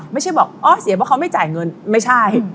ไม่ใช่บอกอ๋อเสียเพราะเขาไม่จ่ายเงินไม่ใช่